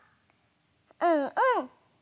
うんうん。